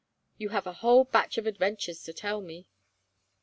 You have a whole batch of adventures to tell me."